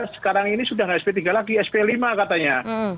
sekarang ini sudah nggak sp tiga lagi sp lima katanya